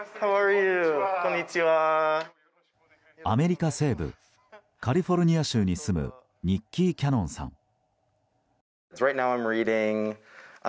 アメリカ西部カリフォルニア州に住むニッキー・キャノンさん。